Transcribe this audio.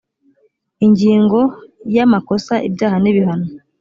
ingingo ya amakosa ibyaha n ibihano